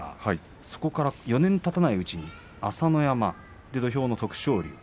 そこから４年もたたないうちに朝乃山、そして徳勝龍